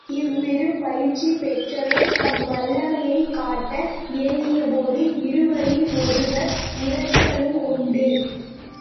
இவ்விரு பயிற்சி பெற்றவர் தம் வல்லமையைக் காட்ட இறங்கிய போது இருவரில் ஒருவர் இறத்தலும் உண்டு.